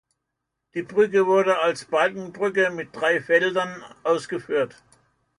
Die Brücke wurde als Balkenbrücke mit drei Feldern ausgeführt.